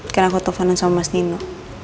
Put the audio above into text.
kenapa telfonan sama mas nino